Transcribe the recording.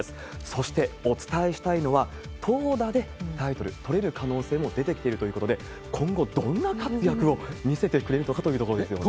そしてお伝えしたいのは、投打でタイトル取れる可能性も出てきているということで、今後どんな活躍を見せてくれるかというところですよね。